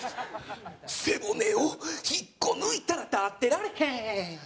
背骨を引っこ抜いたら立ってられへん。